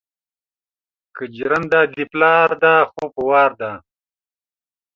که جرنده دې د پلار ده خو په وار ده